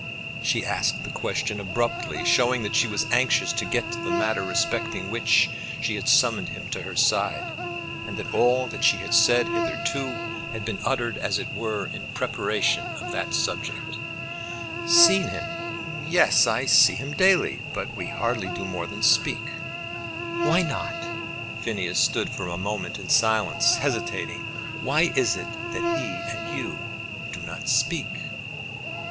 She asked the question abruptly, showing that she was anxious to get to the matter respecting which she had summoned him to her side, and that all that she had said hitherto had been uttered as it were in preparation of that subject. "Seen him? yes; I see him daily. But we hardly do more than speak," "Why not?" Phineas stood for a moment in silence, hesitating. "Why is it that he and you do not speak?"